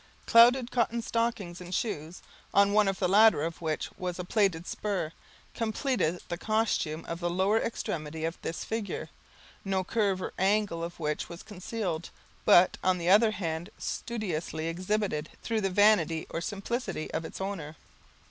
Clouded cotton stockings, and shoes, on one of the latter of which was a plated spur, completed the costume of the lower extremity of this figure, no curve or angle of which was concealed, but, on the other hand, studiously exhibited, through the vanity or simplicity of its owner.